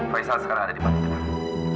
faisal sekarang ada di batu tempat